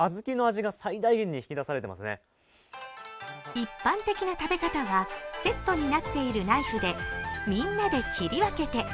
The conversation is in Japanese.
一般的な食べ方は、セットになっているナイフでみんなで切り分けて。